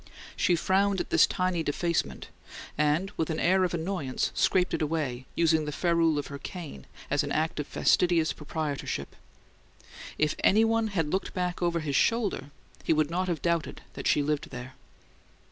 She frowned at this tiny defacement, and with an air of annoyance scraped it away, using the ferrule of her cane an act of fastidious proprietorship. If any one had looked back over his shoulder he would not have doubted that she lived there.